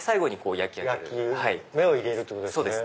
焼き目を入れるってことですね。